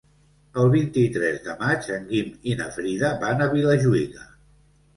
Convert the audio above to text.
El vint-i-tres de maig en Guim i na Frida van a Vilajuïga.